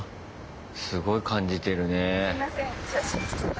すごい感じてるね。